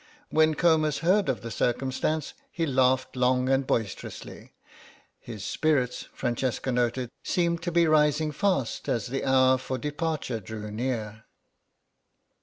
When Comus heard of the circumstance he laughed long and boisterously; his spirits, Francesca noted, seemed to be rising fast as the hour for departure drew near.